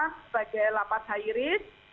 sebagai lapas airis